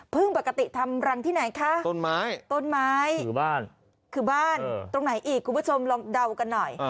ปกติทำรังที่ไหนคะต้นไม้ต้นไม้คือบ้านคือบ้านตรงไหนอีกคุณผู้ชมลองเดากันหน่อย